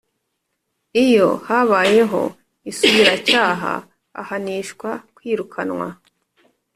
Iyo habayeho isubiracyaha ahanishwa kwirukanwa